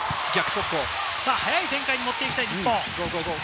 速い展開に持っていきたい日本。